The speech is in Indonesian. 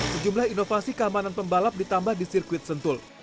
sejumlah inovasi keamanan pembalap ditambah di sirkuit sentul